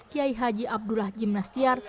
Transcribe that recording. kiai haji abdullah jimnastiar